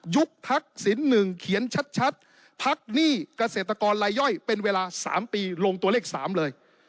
ทักศิลป์๑เขียนชัดพักหนี้เกษตรกรลายย่อยเป็นเวลา๓ปีลงตัวเลข๓เลย